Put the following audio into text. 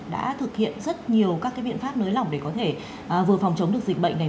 đã thực hiện rất nhiều các biện pháp nới lỏng để có thể vừa phòng chống được dịch bệnh này